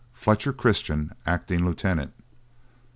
FLETCHER CHRISTIAN, Acting Lieutenant.